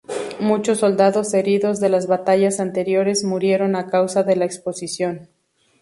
Muchos soldados heridos de las batallas anteriores murieron a causa de la exposición.